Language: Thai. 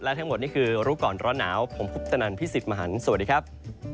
ทั้งหมดนี่คือรู้ก่อนร้อนหนาวผมพุทธนันพี่สิทธิ์มหันฯสวัสดีครับ